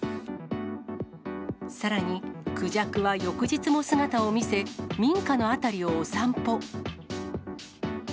さらにクジャクは翌日も姿を見せ、民家の辺りをお散歩。